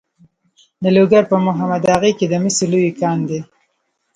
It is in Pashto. د لوګر په محمد اغه کې د مسو لوی کان دی.